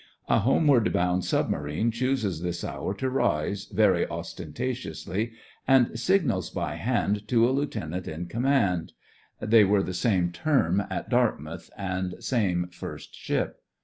A homeward bound submarine chooses this hour to rise, very ostentatiously, and sig nals by hand to a lieutenant in com mand. (They were the same term at Dartmouth, and same first ship.)